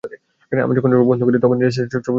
আমি যখন চোখ বন্ধ করি, তখনই জেসের ছবি চোখে ভাসে আসে।